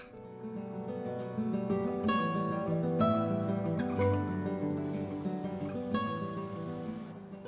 masjid di jumat